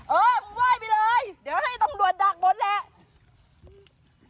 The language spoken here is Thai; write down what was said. เออมึงไหว้ไปเลยเดี๋ยวให้ตำรวจดักบนแหละ